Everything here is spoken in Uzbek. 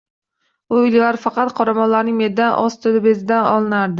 U ilgari faqat qoramollarning me’da osti bezidan olinardi